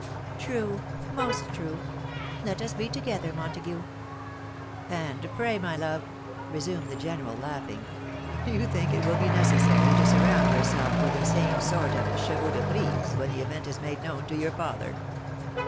" True !— most true ! Let us be together, Montague !"" And pray, my love," resumed the general, laughing, "do you think it wiU be necessary to surround yourself with the same sort of chevaux de /rise when the event is made known to your father